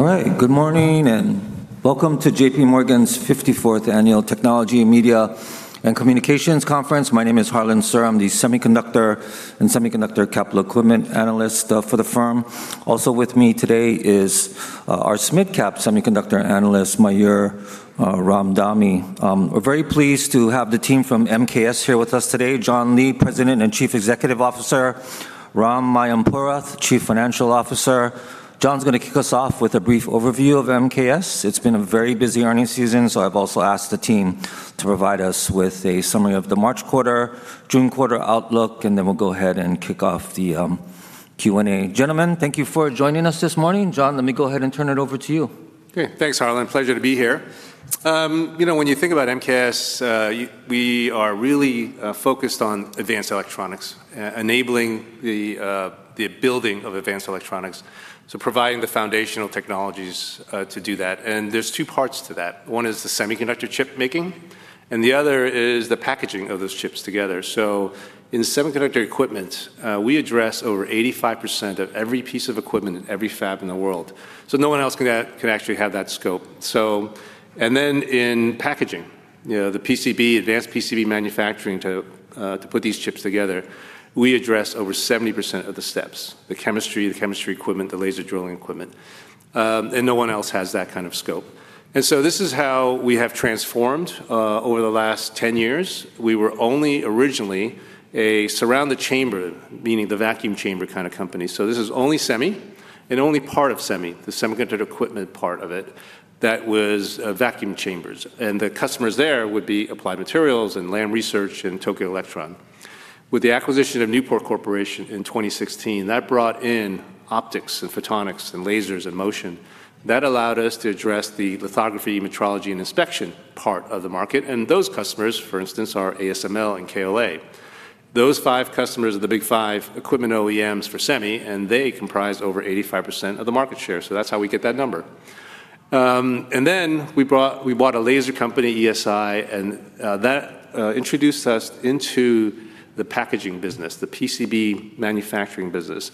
All right. Good morning, and welcome to J.P. Morgan's 54th Annual Technology and Media and Communications Conference. My name is Harlan Sur. I'm the Semiconductor and Semiconductor Capital Equipment Analyst for the firm. Also with me today is our Mid-Cap Semiconductor analyst, Mayur Ramdhani. We're very pleased to have the team from MKS here with us today. John Lee, President and Chief Executive Officer, Ram Mayampurath, Chief Financial Officer. John's going to kick us off with a brief overview of MKS. It's been a very busy earnings season, so I've also asked the team to provide us with a summary of the March quarter, June quarter outlook, and then we'll go ahead and kick off the Q&A. Gentlemen, thank you for joining us this morning. John, let me go ahead and turn it over to you. Okay. Thanks, Harlan. Pleasure to be here. You know, when you think about MKS, we are really focused on advanced electronics, enabling the building of advanced electronics, so providing the foundational technologies to do that. There's two parts to that. One is the semiconductor chip making, and the other is the packaging of those chips together. In semiconductor equipment, we address over 85% of every piece of equipment in every fab in the world, so no one else can actually have that scope. Then in packaging, you know, the PCB, advanced PCB manufacturing to put these chips together, we address over 70% of the steps, the chemistry, the chemistry equipment, the laser drilling equipment, and no one else has that kind of scope. This is how we have transformed over the last 10 years. We were only originally a surround the chamber, meaning the vacuum chamber kind of company. This is only Semi and only part of Semi, the semiconductor equipment part of it that was vacuum chambers. The customers there would be Applied Materials and Lam Research and Tokyo Electron. With the acquisition of Newport Corporation in 2016, that brought in optics and photonics and lasers and motion. That allowed us to address the lithography, metrology, and inspection part of the market, and those customers, for instance, are ASML and KLA. Those five customers are the big five equipment OEMs for Semi, and they comprise over 85% of the market share, so that's how we get that number. We bought a laser company, ESI, that introduced us into the packaging business, the PCB manufacturing business,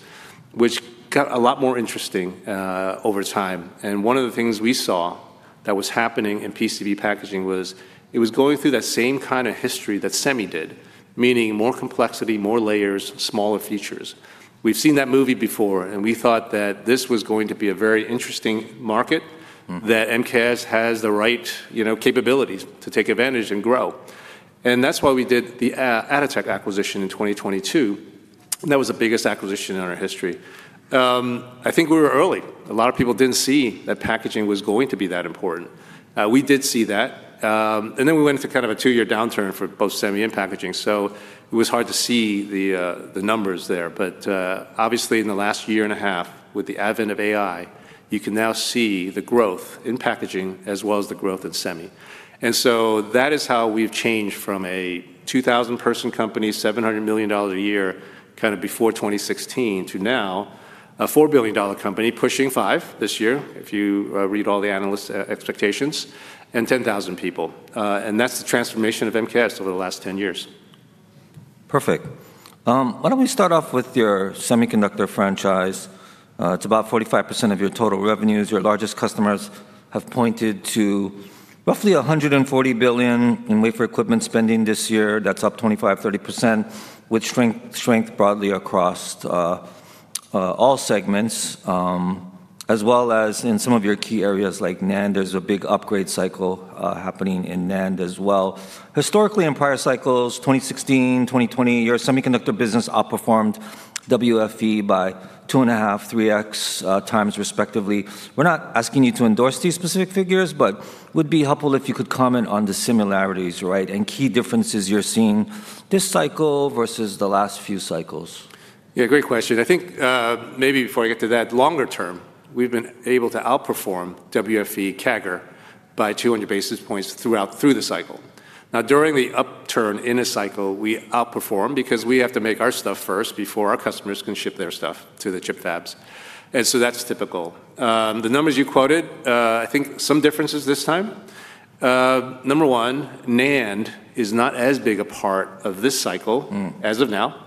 which got a lot more interesting over time. One of the things we saw that was happening in PCB packaging was it was going through that same kind of history that semi did, meaning more complexity, more layers, smaller features. We've seen that movie before. We thought that this was going to be a very interesting market. That MKS has the right, you know, capabilities to take advantage and grow. That's why we did the Atotech acquisition in 2022. That was the biggest acquisition in our history. I think we were early. A lot of people didn't see that packaging was going to be that important. We did see that, and then we went into kind of a two-year downturn for both Semi and packaging, so it was hard to see the numbers there. Obviously in the last year and a half, with the advent of AI, you can now see the growth in packaging as well as the growth in Semi. That is how we've changed from a 2,000 person company, $700 million a year kind of before 2016 to now a $4 billion company pushing $5 billion this year, if you read all the analysts' expectations, and 10,000 people. That's the transformation of MKS over the last 10 years. Perfect. Why don't we start off with your semiconductor franchise? It's about 45% of your total revenues. Your largest customers have pointed to roughly $140 billion in wafer equipment spending this year. That's up 25%-30%, with strength broadly across all segments, as well as in some of your key areas like NAND. There's a big upgrade cycle happening in NAND as well. Historically, in prior cycles, 2016, 2020, your semiconductor business outperformed WFE by 2.5x, 3x respectively. We're not asking you to endorse these specific figures, would be helpful if you could comment on the similarities, right, and key differences you're seeing this cycle versus the last few cycles. Yeah, great question. I think, maybe before I get to that, longer term, we've been able to outperform WFE CAGR by 200 basis points throughout through the cycle. Now, during the upturn in a cycle, we outperform because we have to make our stuff first before our customers can ship their stuff to the chip fabs, that's typical. The numbers you quoted, I think some differences this time. Number one, NAND is not as big a part of this cycle. As of now,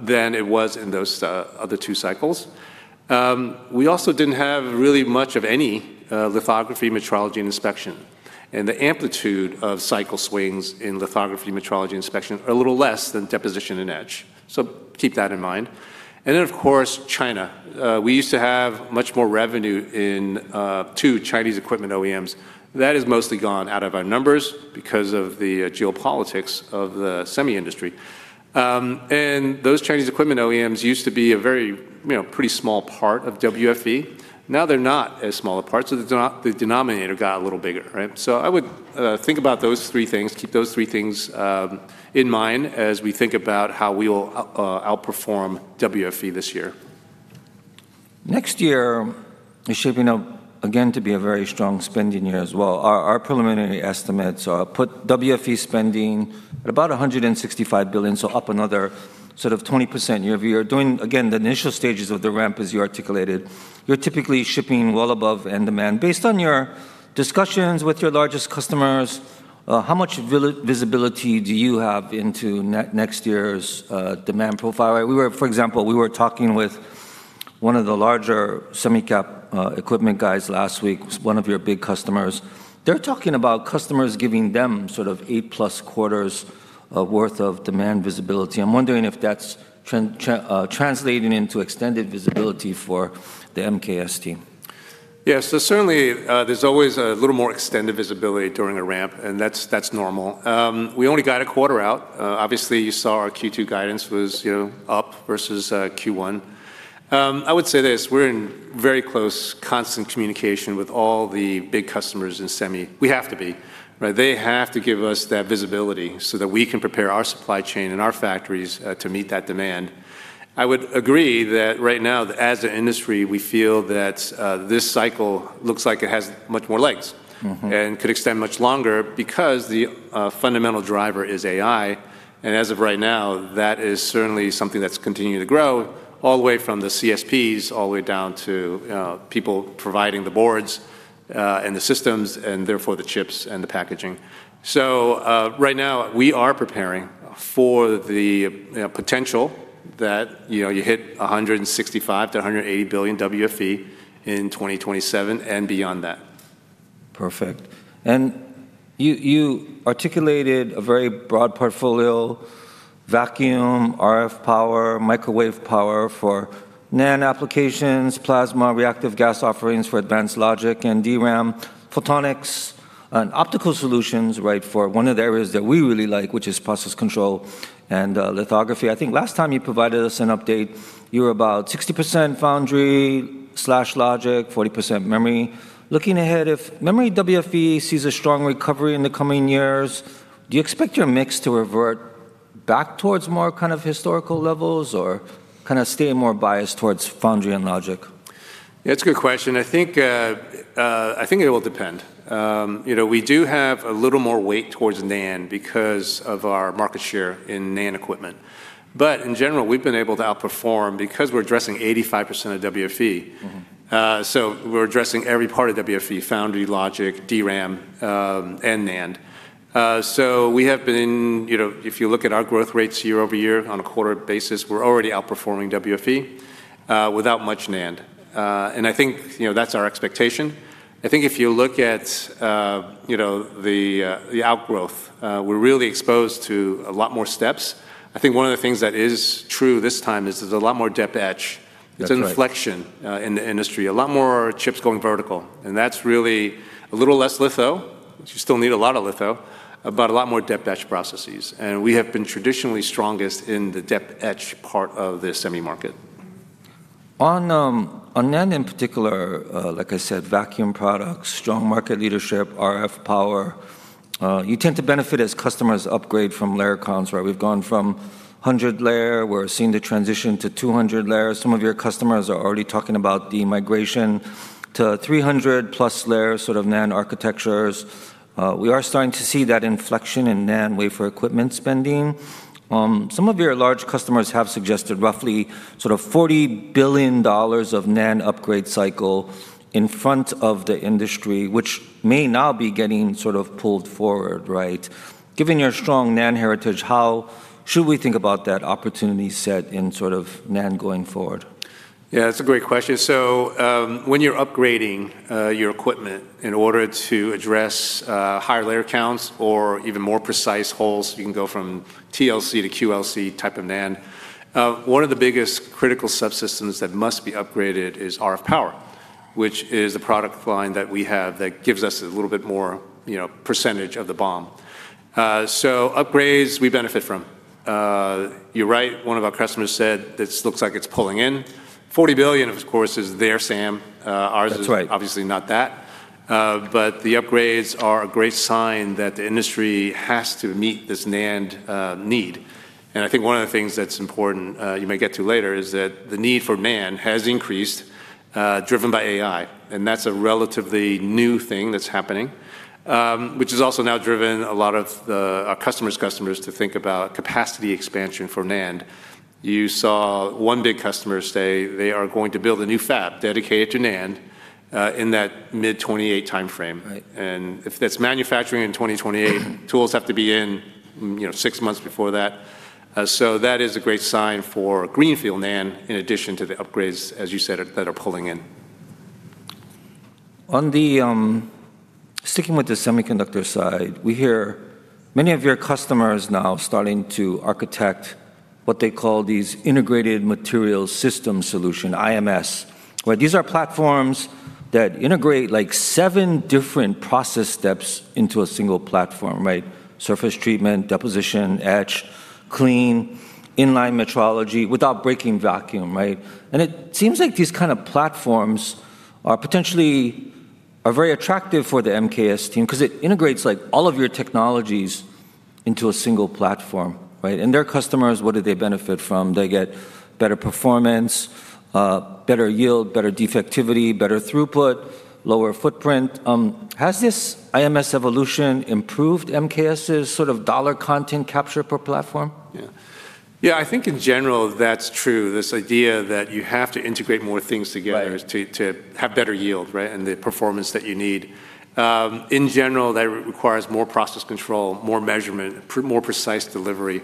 than it was in those, other two cycles. We also didn't have really much of any lithography, metrology, and inspection, and the amplitude of cycle swings in lithography, metrology, inspection are a little less than deposition and etch, so keep that in mind. Of course, China. We used to have much more revenue in two Chinese equipment OEMs. That has mostly gone out of our numbers because of the geopolitics of the semi industry. Those Chinese equipment OEMs used to be a very, you know, pretty small part of WFE. Now they're not as small a part, so the denominator got a little bigger, right? I would think about those three things. Keep those three things in mind as we think about how we will outperform WFE this year. Next year is shaping up again to be a very strong spending year as well. Our preliminary estimates put WFE spending at about $165 billion, so up another sort of 20%. You know, if you're doing, again, the initial stages of the ramp, as you articulated, you're typically shipping well above end demand. Based on your discussions with your largest customers, how much visibility do you have into next year's demand profile, right? We were, for example, talking with one of the larger semi cap equipment guys last week, one of your big customers. They're talking about customers giving them sort of eight-plus quarters of worth of demand visibility. I'm wondering if that's translating into extended visibility for the MKS team. Yeah. Certainly, there's always a little more extended visibility during a ramp, and that's normal. We only got a quarter out. Obviously, you saw our Q2 guidance was, you know, up versus Q1. I would say this, we're in very close constant communication with all the big customers in semi. We have to be, right? They have to give us that visibility so that we can prepare our supply chain and our factories to meet that demand. I would agree that right now, as an industry, we feel that this cycle looks like it has much more legs. could extend much longer because the fundamental driver is AI. As of right now, that is certainly something that's continuing to grow all the way from the CSPs, all the way down to people providing the boards, and the systems, and therefore the chips and the packaging. Right now we are preparing for the, you know, potential that, you know, you hit $165 billion-$180 billion WFE in 2027 and beyond that. Perfect. You articulated a very broad portfolio, vacuum, RF power, microwave power for NAND applications, plasma reactive gas offerings for advanced logic and DRAM, photonics and optical solutions, right? For one of the areas that we really like, which is process control and lithography. I think last time you provided us an update, you were about 60% foundry/logic, 40% memory. Looking ahead, if memory WFE sees a strong recovery in the coming years, do you expect your mix to revert back towards more kind of historical levels or kind of stay more biased towards foundry and logic? That's a good question. I think it will depend. You know, we do have a little more weight towards NAND because of our market share in NAND equipment. In general, we've been able to outperform because we're addressing 85% of WFE. We're addressing every part of WFE, foundry, logic, DRAM and NAND. We have been, you know, if you look at our growth rates year-over-year on a quarter basis, we're already outperforming WFE without much NAND. I think, you know, that's our expectation. I think if you look at, you know, the outgrowth, we're really exposed to a lot more steps. I think one of the things that is true this time is there's a lot more depth etch. That's right. It's an inflection in the industry. A lot more chips going vertical, and that's really a little less litho. You still need a lot of litho, but a lot more depth etch processes. We have been traditionally strongest in the depth etch part of the semi market. On NAND in particular, like I said, vacuum products, strong market leadership, RF power, you tend to benefit as customers upgrade from layer counts, right? We've gone from 100 layer. We're seeing the transition to 200 layers. Some of your customers are already talking about the migration to 300+ layer sort of NAND architectures. We are starting to see that inflection in NAND wafer equipment spending. Some of your large customers have suggested roughly sort of $40 billion of NAND upgrade cycle in front of the industry, which may now be getting sort of pulled forward, right? Given your strong NAND heritage, how should we think about that opportunity set in sort of NAND going forward? That's a great question. When you're upgrading your equipment in order to address higher layer counts or even more precise holes, you can go from TLC to QLC type of NAND. One of the biggest critical subsystems that must be upgraded is RF power, which is a product line that we have that gives us a little bit more, you know, % of the BOM. Upgrades, we benefit from. You're right, one of our customers said this looks like it's pulling in. $40 billion, of course, is their SAM. That's right. Is obviously not that. The upgrades are a great sign that the industry has to meet this NAND need. I think one of the things that's important, you may get to later is that the need for NAND has increased, driven by AI, and that's a relatively new thing that's happening. Which has also now driven a lot of the, our customers' customers to think about capacity expansion for NAND. You saw one big customer say they are going to build a new fab dedicated to NAND in that mid-2028 timeframe. Right. If that's manufacturing in 2028, tools have to be in, you know, six months before that. That is a great sign for Greenfield NAND in addition to the upgrades, as you said, that are pulling in. On the sticking with the semiconductor side, we hear many of your customers now starting to architect what they call these integrated material system solution, IMS, right? These are platforms that integrate like seven different process steps into a single platform, right? Surface treatment, deposition, etch, clean, in-line metrology without breaking vacuum, right? It seems like these kind of platforms are potentially very attractive for the MKS team because it integrates like all of your technologies into a single platform, right? Their customers, what do they benefit from? They get better performance, better yield, better defectivity, better throughput, lower footprint. Has this IMS evolution improved MKS' sort of dollar content capture per platform? Yeah, I think in general that's true, this idea that you have to integrate more things together. Right To have better yield, right? The performance that you need. In general, that requires more process control, more measurement, more precise delivery.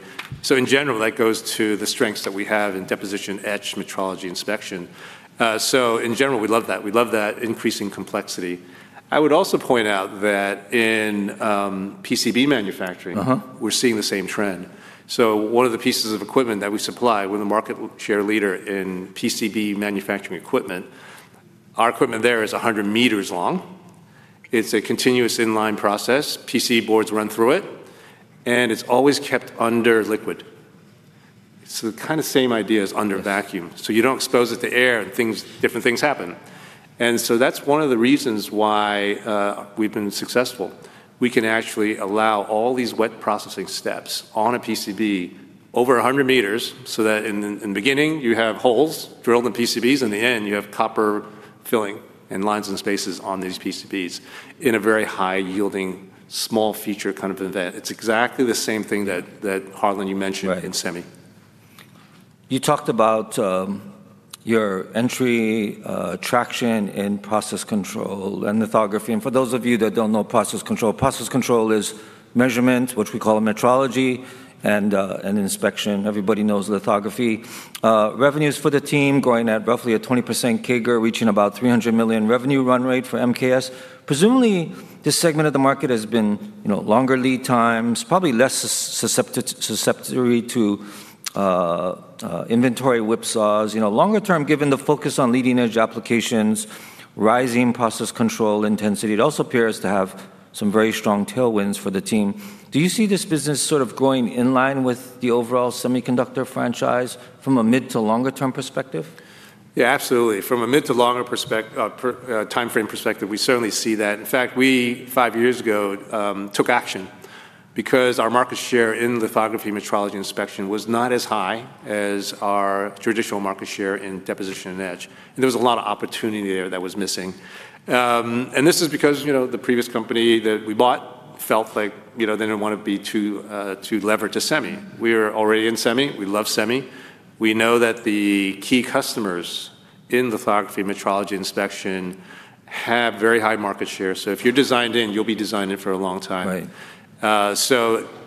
In general, that goes to the strengths that we have in deposition etch metrology inspection. In general, we love that. We love that increasing complexity. I would also point out that in PCB manufacturing. we're seeing the same trend. One of the pieces of equipment that we supply, we're the market share leader in PCB manufacturing equipment. Our equipment there is 100 meters long. It's a continuous inline process. PC boards run through it, and it's always kept under liquid. It's the kind of same idea as under vacuum. Yes. You don't expose it to air and things, different things happen. That's one of the reasons why we've been successful. We can actually allow all these wet processing steps on a PCB over 100 m so that in beginning you have holes drilled in PCBs, in the end, you have copper filling and lines and spaces on these PCBs in a very high yielding, small feature kind of event. It's exactly the same thing that Harlan, you mentioned. Right In semi. You talked about your entry traction in process control and lithography. For those of you that don't know process control, process control is measurement, which we call metrology and an inspection. Everybody knows lithography. Revenues for the team growing at roughly a 20% CAGR, reaching about $300 million revenue run rate for MKS. Presumably, this segment of the market has been, you know, longer lead times, probably less susceptibility to inventory whip saws. You know, longer term, given the focus on leading edge applications, rising process control intensity. It also appears to have some very strong tailwinds for the team. Do you see this business sort of growing in line with the overall semiconductor franchise from a mid to longer term perspective? Yeah, absolutely. From a mid to longer timeframe perspective, we certainly see that. In fact, we, five years ago, took action because our market share in lithography metrology inspection was not as high as our traditional market share in deposition and etch, and there was a lot of opportunity there that was missing. This is because, you know, the previous company that we bought felt like, you know, they didn't want to be too levered to semi. We're already in semi. We love semi. We know that the key customers in lithography metrology inspection have very high market share. If you're designed in, you'll be designed in for a long time. Right.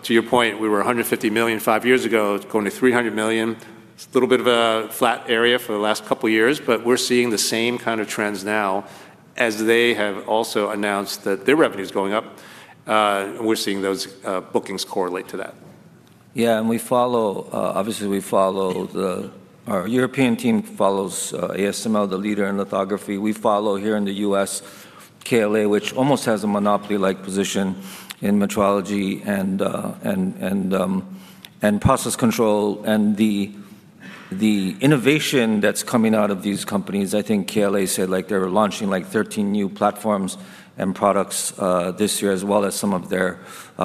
To your point, we were $150 million 5 years ago, going to $300 million. It's a little bit of a flat area for the last couple of years, but we're seeing the same kind of trends now as they have also announced that their revenue is going up. We're seeing those bookings correlate to that. Yeah. Obviously we follow our European team follows ASML, the leader in lithography. We follow here in the U.S., KLA, which almost has a monopoly-like position in metrology and process control and the innovation that's coming out of these companies. I think KLA said, like, they were launching like 13 new platforms and products this year as well as some of their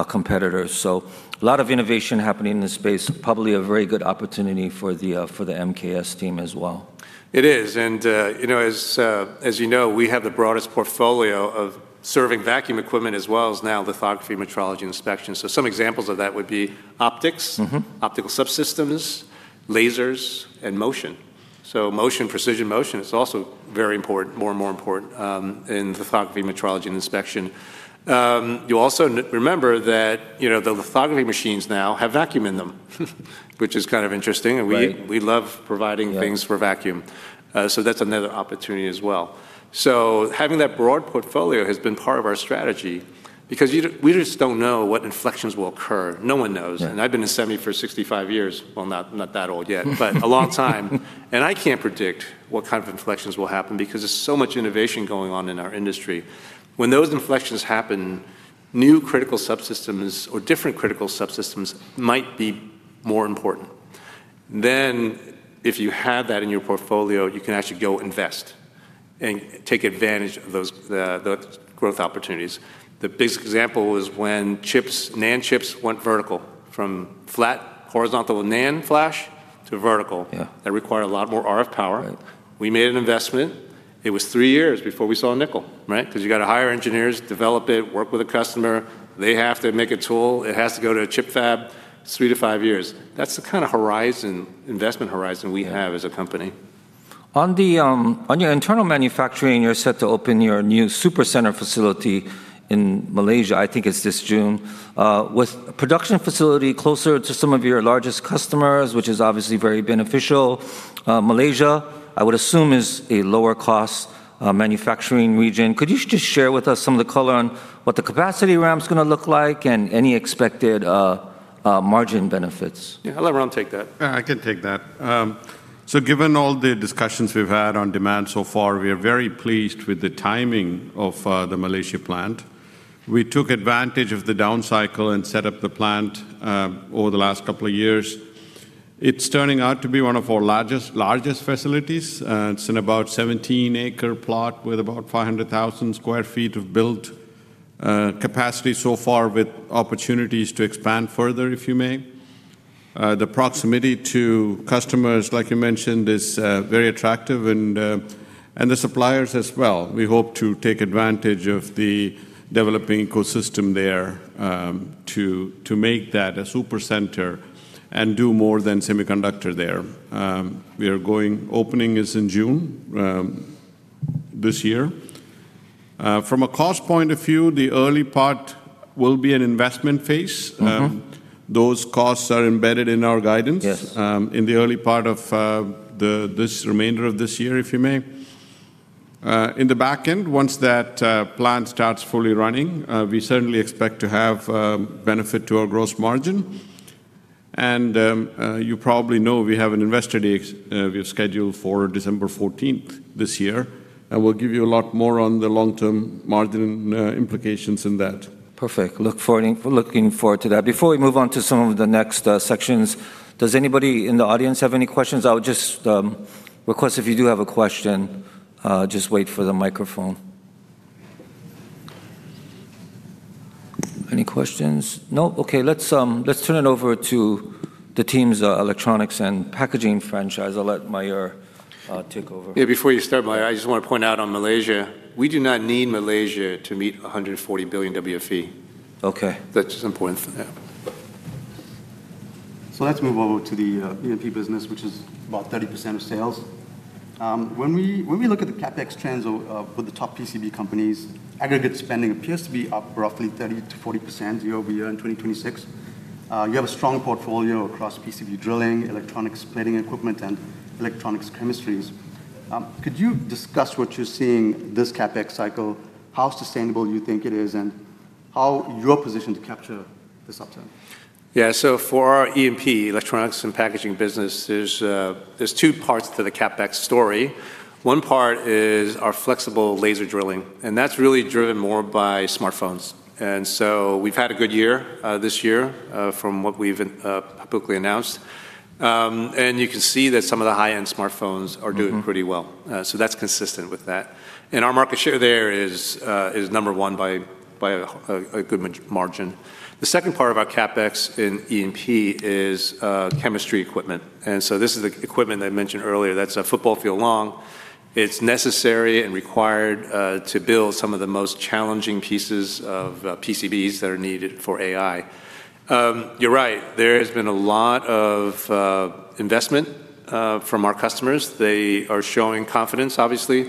competitors. A lot of innovation happening in this space. Probably a very good opportunity for the MKS team as well. It is. You know, as you know, we have the broadest portfolio of serving vacuum equipment as well as now lithography metrology inspection. Some examples of that would be optics. Optical subsystems, lasers and motion. Motion, precision motion is also very important, more and more important, in lithography metrology and inspection. You also remember that, you know, the lithography machines now have vacuum in them, which is kind of interesting. Right. We love providing. Right For vacuum. That's another opportunity as well. Having that broad portfolio has been part of our strategy because we just don't know what inflections will occur. No one knows. Right. I've been in semi for 65 years. Well, not that old yet. A long time. I can't predict what kind of inflections will happen because there's so much innovation going on in our industry. When those inflections happen, new critical subsystems or different critical subsystems might be more important. If you have that in your portfolio, you can actually go invest and take advantage of those growth opportunities. The basic example was when NAND chips went vertical from flat horizontal NAND flash to vertical. Yeah. That required a lot more RF power. Right. We made an investment. It was three years before we saw $0.05, right? You got to hire engineers, develop it, work with a customer. They have to make a tool. It has to go to a chip fab three to five years. That's the kind of horizon, investment horizon we have as a company. On the, on your internal manufacturing, you're set to open your new super center facility in Malaysia, I think it's this June. With production facility closer to some of your largest customers, which is obviously very beneficial. Malaysia, I would assume is a lower cost, manufacturing region. Could you just share with us some of the color on what the capacity ramp's gonna look like and any expected margin benefits? Yeah, I'll let Ram take that. Yeah, I can take that. Given all the discussions we've had on demand so far, we are very pleased with the timing of the Malaysia plant. We took advantage of the down cycle and set up the plant over the last couple of years. It's turning out to be one of our largest facilities. It's in about 17 acre plot with about 500,000 square feet of built capacity so far with opportunities to expand further, if you may. The proximity to customers, like you mentioned, is very attractive and the suppliers as well. We hope to take advantage of the developing ecosystem there to make that a super center and do more than semiconductor there. Opening is in June this year. From a cost point of view, the early part will be an investment phase. Those costs are embedded in our guidance. Yes In the early part of the, this remainder of this year, if you may. In the back end, once that plant starts fully running, we certainly expect to have benefit to our gross margin. You probably know we have an Investor Day we have scheduled for December 14 this year, and we'll give you a lot more on the long-term margin implications in that. Perfect. Looking forward to that. Before we move on to some of the next sections, does anybody in the audience have any questions? I would just request if you do have a question, just wait for the microphone. Any questions? No? Okay, let's let's turn it over to the team's Electronics & Packaging franchise. I'll let Mayur take over. Yeah, before you start, Mayur, I just wanna point out on Malaysia, we do not need Malaysia to meet $140 billion WFE. Okay. That's just important for that. Let's move over to the E&P business, which is about 30% of sales. When we look at the CapEx trends of the top PCB companies, aggregate spending appears to be up roughly 30%-40% year-over-year in 2026. You have a strong portfolio across PCB drilling, electronics planning equipment, and electronics chemistries. Could you discuss what you're seeing this CapEx cycle, how sustainable you think it is, and how you're positioned to capture this upturn? For our E&P, Electronics & Packaging business, there's two parts to the CapEx story. One part is our flexible laser drilling, and that's really driven more by smartphones. We've had a good year this year from what we've publicly announced. You can see that some of the high-end smartphones are pretty well. That's consistent with that. Our market share there is number one by a good margin. The second part about CapEx in E&P is chemistry equipment. This is the equipment I mentioned earlier that's a football field long. It's necessary and required to build some of the most challenging pieces of PCBs that are needed for AI. You're right. There has been a lot of investment from our customers. They are showing confidence, obviously,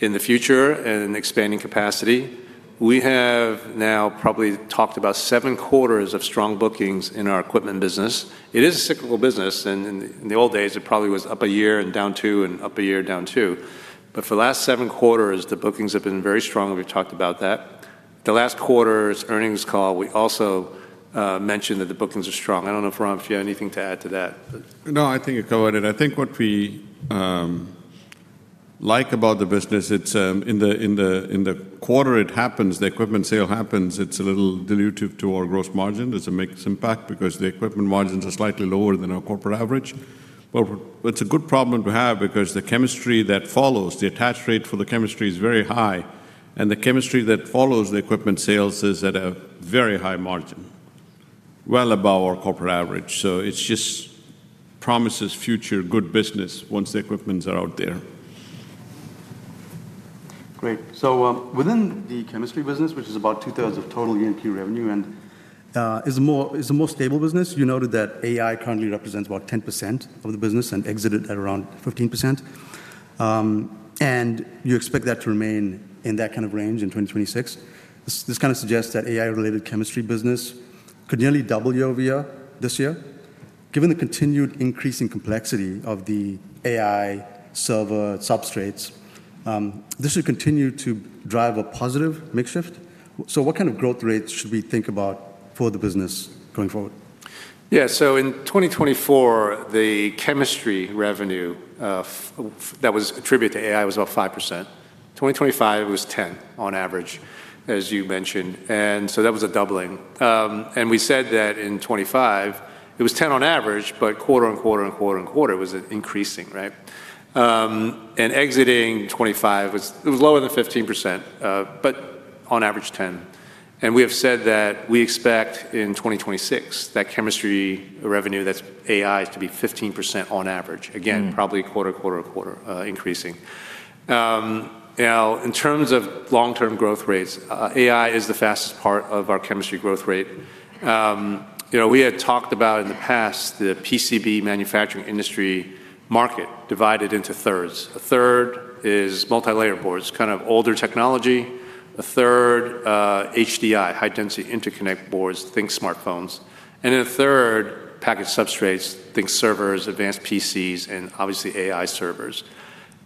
in the future and in expanding capacity. We have now probably talked about seven quarters of strong bookings in our equipment business. It is a cyclical business. In the old days, it probably was up a year and down two, and up a year, down two. For the last seven quarters, the bookings have been very strong. We've talked about that. The last quarter's earnings call, we also mentioned that the bookings are strong. I don't know, Ram Mayampurath, if you have anything to add to that. I think you covered it. I think what we like about the business, it's in the quarter it happens, the equipment sale happens, it's a little dilutive to our gross margin. It's a mixed impact because the equipment margins are slightly lower than our corporate average. It's a good problem to have because the chemistry that follows, the attach rate for the chemistry is very high, and the chemistry that follows the equipment sales is at a very high margin, well above our corporate average. It's just promises future good business once the equipments are out there. Great. Within the chemistry business, which is about 2/3 of total E&P revenue and is a more stable business, you noted that AI currently represents about 10% of the business and exited at around 15%, and you expect that to remain in that kind of range in 2026. This kind of suggests that AI-related chemistry business could nearly double year-over-year this year. Given the continued increase in complexity of the AI server substrates, this will continue to drive a positive mix shift. What kind of growth rate should we think about for the business going forward? Yeah. In 2024, the chemistry revenue that was attributed to AI was about 5%. 2025, it was 10% on average, as you mentioned. That was a doubling. We said that in 2025, it was 10% on average, but quarter on quarter on quarter on quarter it was increasing, right? Exiting 2025, it was lower than 15%, but on average 10%. We have said that we expect in 2026 that chemistry revenue that's AI is to be 15% on average. Again, probably quarter, quarter, increasing. Now in terms of long-term growth rates, AI is the fastest part of our chemistry growth rate. You know, we had talked about in the past the PCB manufacturing industry market divided into thirds. A third is multilayer boards, kind of older technology. A third, HDI, high density interconnect boards, think smartphones. A third, packaged substrates, think servers, advanced PCs, and obviously AI servers.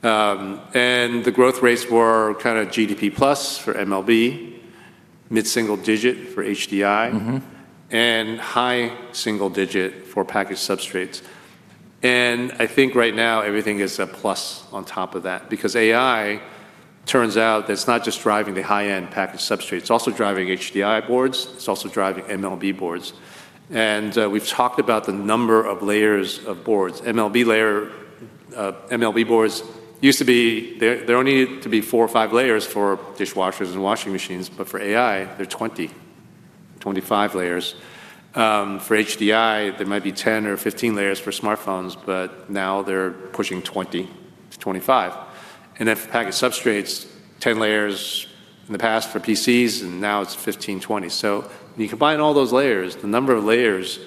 The growth rates were kind of GDP plus for MLB, mid-single digit for HDI. High single-digit for packaged substrates. Right now everything is a plus on top of that, because AI turns out that it's not just driving the high-end packaged substrates. It's also driving HDI boards, it's also driving MLB boards. We've talked about the number of layers of boards. MLB boards used to be, there only needed to be four or five layers for dishwashers and washing machines, but for AI, they're 20, 25 layers. For HDI, there might be 10 or 15 layers for smartphones, but now they're pushing 20-25. For packaged substrates, 10 layers in the past for PCs, and now it's 15-20. When you combine all those layers, the number of layers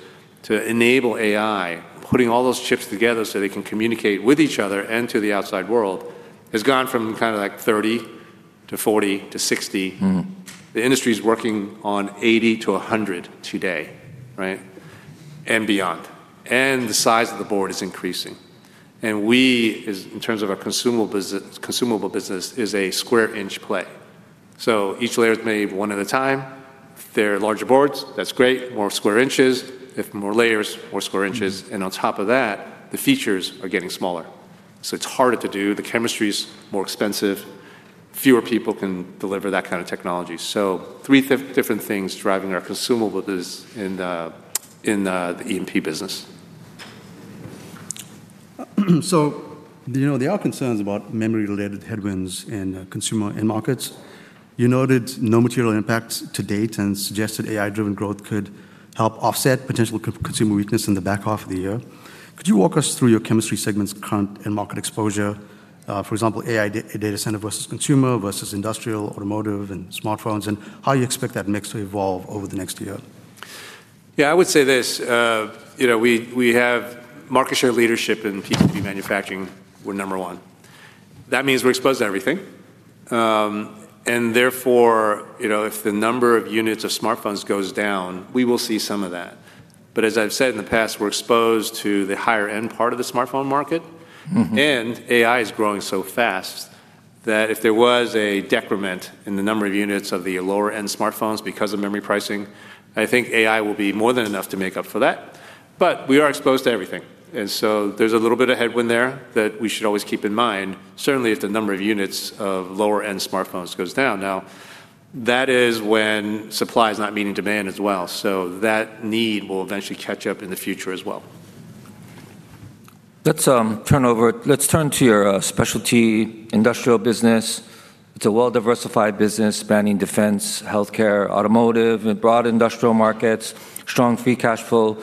to enable AI, putting all those chips together so they can communicate with each other and to the outside world, has gone from kind of like 30 to 40 to 60. The industry's working on 80 to 100 today, right? Beyond. The size of the board is increasing. We, as in terms of our consumable business, is a square inch play. Each layer is made 1 at a time. If they're larger boards, that's great, more square inches. If more layers, more square inches. On top of that, the features are getting smaller. It's harder to do. The chemistry's more expensive. Fewer people can deliver that kind of technology. Three different things driving our consumable business in the E&P business. You know, there are concerns about memory-related headwinds in consumer end markets. You noted no material impacts to date and suggested AI-driven growth could help offset potential consumer weakness in the back half of the year. Could you walk us through your chemistry segment's current end market exposure? For example, AI data center versus consumer versus industrial, automotive, and smartphones, and how you expect that mix to evolve over the next year. Yeah, I would say this. you know, we have market share leadership in PCB manufacturing. We're number one. That means we're exposed to everything. Therefore, you know, if the number of units of smartphones goes down, we will see some of that. As I've said in the past, we're exposed to the higher end part of the smartphone market. AI is growing so fast that if there was a decrement in the number of units of the lower-end smartphones because of memory pricing, I think AI will be more than enough to make up for that. We are exposed to everything, there's a little bit of headwind there that we should always keep in mind, certainly if the number of units of lower-end smartphones goes down. Now, that is when supply is not meeting demand as well. That need will eventually catch up in the future as well. Let's turn to your specialty industrial business. It's a well-diversified business spanning defense, healthcare, automotive, and broad industrial markets, strong free cash flow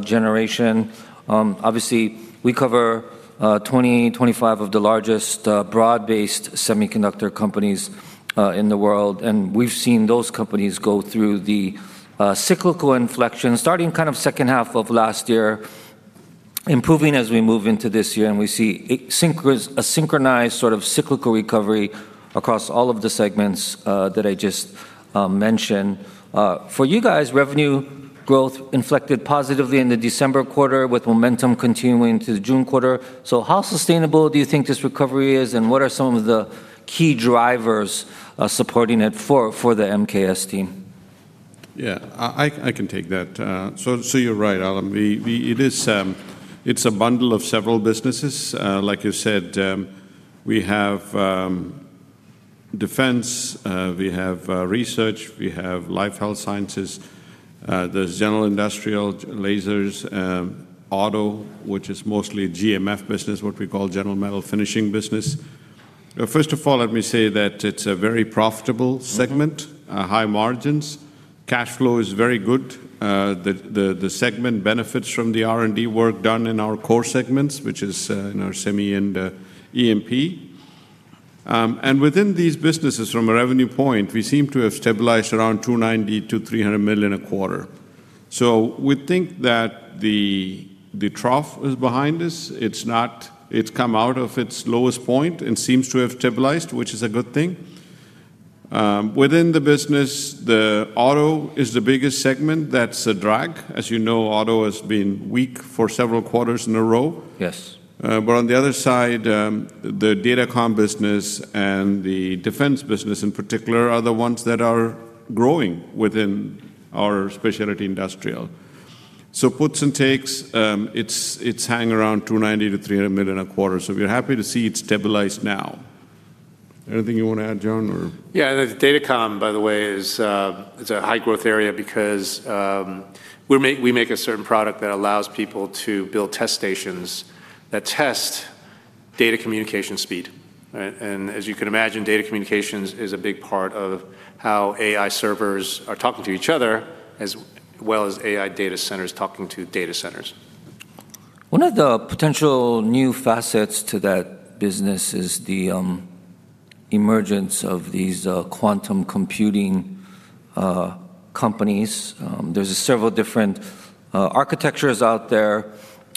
generation. Obviously, we cover 20-25 of the largest broad-based semiconductor companies in the world, and we've seen those companies go through the cyclical inflection starting kind of second half of last year, improving as we move into this year, and we see a synchronized sort of cyclical recovery across all of the segments that I just mentioned. For you guys, revenue growth inflected positively in the December quarter with momentum continuing to the June quarter. How sustainable do you think this recovery is, and what are some of the key drivers supporting it for the MKS team? Yeah, I can take that. You're right, Harlan Sur. It is, it's a bundle of several businesses. Like you said, we have defense, we have research, we have life health sciences, there's general industrial lasers, auto, which is mostly GMF business, what we call general metal finishing business. First of all, let me say that it's a very profitable segment. High margins. Cash flow is very good. The segment benefits from the R&D work done in our core segments, which is in our semi and E&P. Within these businesses, from a revenue point, we seem to have stabilized around $290 million-$300 million a quarter. We think that the trough is behind us. It's come out of its lowest point and seems to have stabilized, which is a good thing. Within the business, the auto is the biggest segment. That's a drag. As you know, auto has been weak for several quarters in a row. Yes. On the other side, the datacom business and the defense business in particular are the ones that are growing within our specialty industrial. Puts and takes, it's hanging around $290 million-$300 million a quarter. We're happy to see it stabilize now. Anything you wanna add, John, or? Yeah, the datacom, by the way, is a high-growth area because we make a certain product that allows people to build test stations that test data communication speed, right? As you can imagine, data communications is a big part of how AI servers are talking to each other as well as AI data centers talking to data centers. One of the potential new facets to that business is the emergence of these quantum computing companies. There's several different architectures out there,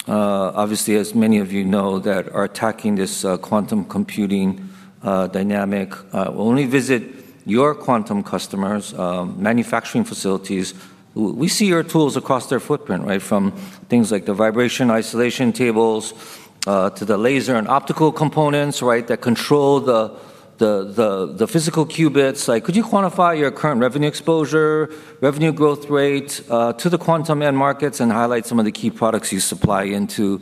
obviously, as many of you know, that are attacking this quantum computing dynamic. We'll only visit your quantum customers' manufacturing facilities. We see your tools across their footprint, right? From things like the vibration isolation tables, to the laser and optical components, right, that control the physical qubits. Could you quantify your current revenue exposure, revenue growth rate, to the quantum end markets and highlight some of the key products you supply into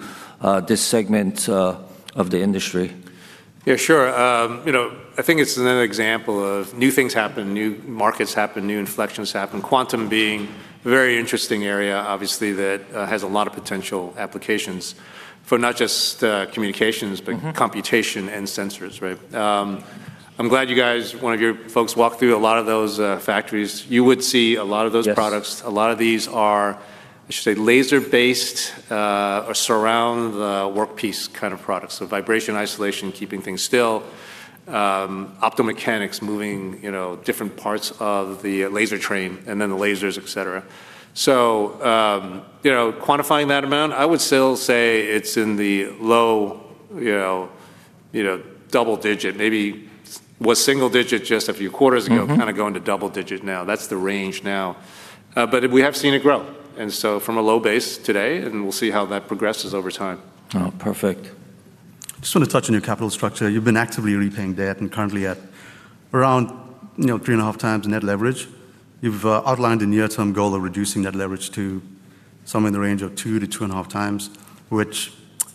this segment of the industry? Yeah, sure. You know, I think it's another example of new things happen, new markets happen, new inflections happen. Quantum being very interesting area, obviously, that has a lot of potential applications for not just communications. Computation and sensors, right? I'm glad you guys, one of your folks walked through a lot of those factories. You would see a lot of those products. Yes. A lot of these are, I should say, laser-based, or surround the work piece kind of products. Vibration isolation, keeping things still, optomechanics moving, you know, different parts of the laser train, and then the lasers, et cetera. Quantifying that amount, I would still say it's in the low, you know, double digit, maybe was single digit just a few quarters ago. kind of going to double-digit now. That's the range now. We have seen it grow, and so from a low base today, and we'll see how that progresses over time. Oh, perfect. Just wanna touch on your capital structure. You've been actively repaying debt and currently at around, you know, 3.5x net leverage. You've outlined a near-term goal of reducing that leverage to somewhere in the range of 2-2.5x which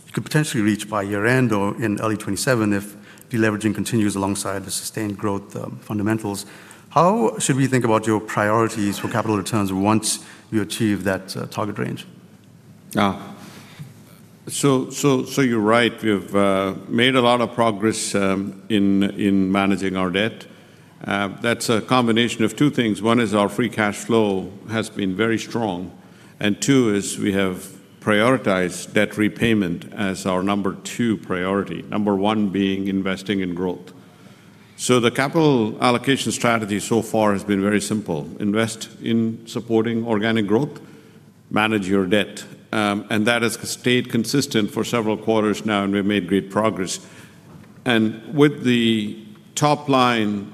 you could potentially reach by year-end or in early 2027 if de-leveraging continues alongside the sustained growth fundamentals. How should we think about your priorities for capital returns once you achieve that target range? So you're right. We've made a lot of progress in managing our debt. That's a combination of two things. One is our free cash flow has been very strong, and two is we have prioritized debt repayment as our number two priority, number one being investing in growth. The capital allocation strategy so far has been very simple: invest in supporting organic growth, manage your debt. That has stayed consistent for several quarters now, and we've made great progress. With the top line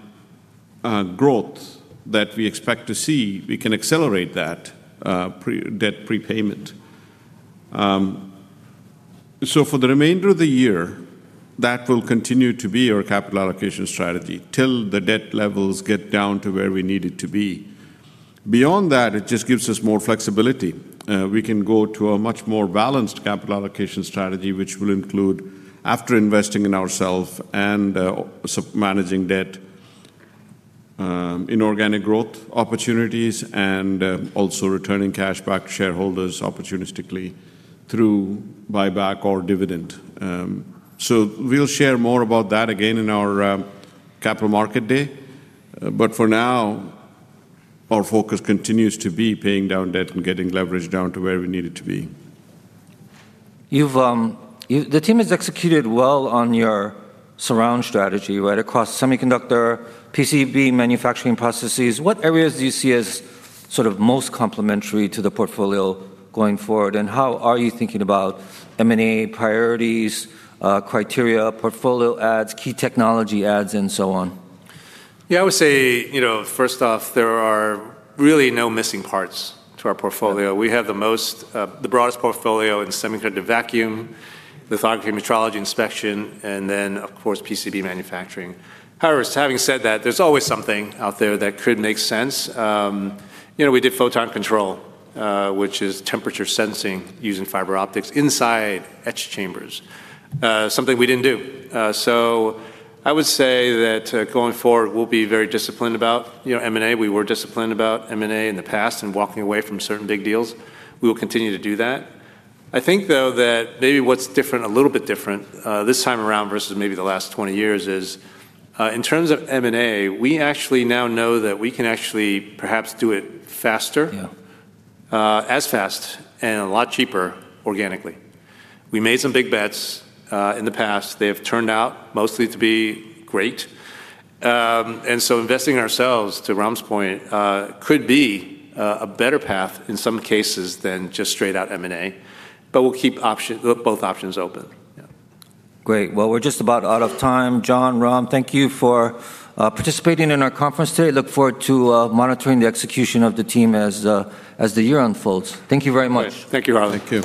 growth that we expect to see, we can accelerate that debt prepayment. For the remainder of the year, that will continue to be our capital allocation strategy till the debt levels get down to where we need it to be. Beyond that, it just gives us more flexibility. We can go to a much more balanced capital allocation strategy, which will include, after investing in ourself and managing debt, inorganic growth opportunities and also returning cash back to shareholders opportunistically through buyback or dividend. We'll share more about that again in our capital market day. For now, our focus continues to be paying down debt and getting leverage down to where we need it to be. The team has executed well on your surround strategy, right, across semiconductor, PCB manufacturing processes. What areas do you see as sort of most complementary to the portfolio going forward, and how are you thinking about M&A priorities, criteria, portfolio adds, key technology adds, and so on? I would say, you know, first off, there are really no missing parts to our portfolio. We have the most, the broadest portfolio in semiconductor vacuum, lithography, metrology, inspection, and then of course PCB manufacturing. However, having said that, there's always something out there that could make sense. You know, we did Photon Control, which is temperature sensing using fiber optics inside etch chambers, something we didn't do. I would say that, going forward, we'll be very disciplined about, you know, M&A. We were disciplined about M&A in the past and walking away from certain big deals. We will continue to do that. I think, though, that maybe what's different, a little bit different, this time around versus maybe the last 20 years is, in terms of M&A, we actually now know that we can actually perhaps do it faster. Yeah As fast and a lot cheaper organically. We made some big bets in the past. They have turned out mostly to be great. Investing in ourselves, to Ram's point, could be a better path in some cases than just straight out M&A, but we'll keep both options open. Yeah. Great. Well, we're just about out of time. John, Ram, thank you for participating in our conference today. Look forward to monitoring the execution of the team as the year unfolds. Thank you very much. Yes. Thank you, Harlan Sur. Thank you.